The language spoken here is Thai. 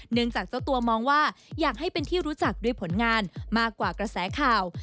จากเจ้าตัวมองว่าอยากให้เป็นที่รู้จักด้วยผลงานมากกว่ากระแสข่าว